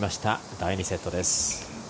第２セットです。